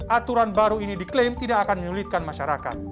aturan baru ini diklaim tidak akan menyulitkan masyarakat